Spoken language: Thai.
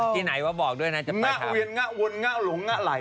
ที่ไหนว่าบอกด้วยนะจะงะเวียนงะวนงะหลงงะไหล่